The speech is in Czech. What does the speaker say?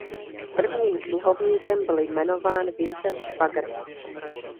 Prvním knihovníkem byl jmenován Vincenc Švagr.